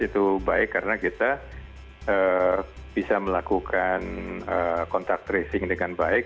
itu baik karena kita bisa melakukan kontak tracing dengan baik